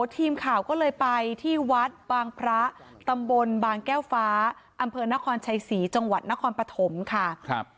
ทีมข่าวก็เลยไปที่วัดบางพระตำบลบางแก้วฟ้าอำเภอนครชัยศรีจังหวัดนครปฐมค่ะ